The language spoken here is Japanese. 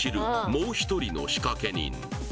もう一人の仕掛け人